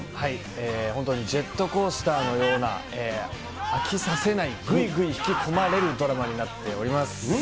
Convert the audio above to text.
本当にジェットコースターのような、飽きさせない、ぐいぐい引き込まれるドラマになっております。